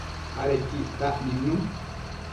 Adequi ictac nidnu